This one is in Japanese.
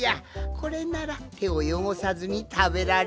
これならてをよごさずにたべられるぞい。